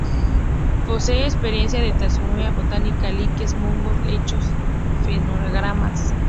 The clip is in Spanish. Posee experiencia en taxonomía botánica: líquenes, musgos, helechos, fanerógamas.